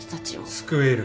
救える。